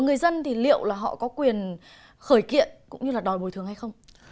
người dân thì liệu là họ có quyền khởi kiện cũng như là đòi bồi thường hay không